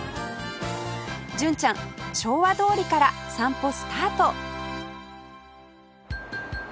純ちゃん昭和通りから散歩スタート